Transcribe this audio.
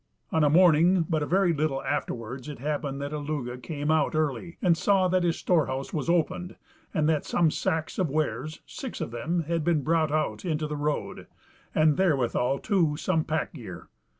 On a morning but a very little afterwards it happened that Illugi came out early, and saw that his storehouse was opened, and that some sacks of wares, six of them, had been brought out into the road, and therewithal too some pack gear.